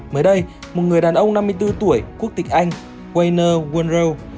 mới đây một người đàn ông năm mươi bốn tuổi quốc tịch anh weiner wunrell